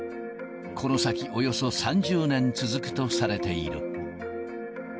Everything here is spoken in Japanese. この先、およそ３０年続くとされている。